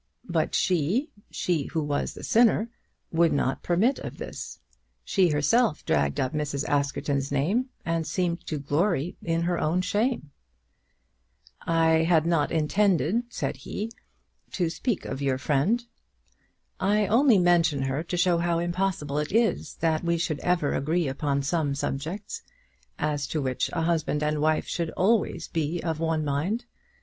But she, she who was the sinner, would not permit of this. She herself dragged up Mrs. Askerton's name, and seemed to glory in her own shame. "I had not intended," said he, "to speak of your friend." "I only mention her to show how impossible it is that we should ever agree upon some subjects, as to which a husband and wife should always be of one mind.